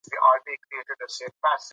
موږ باید د خپلې ژبې سمه لیکنه زده کړو